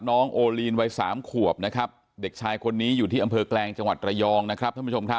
น้องโอลีนวัย๓ขวบนะครับเด็กชายคนนี้อยู่ที่อำเภอแกลงจังหวัดระยองนะครับ